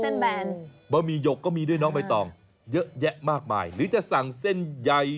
แบนบะหมี่หยกก็มีด้วยน้องใบตองเยอะแยะมากมายหรือจะสั่งเส้นใหญ่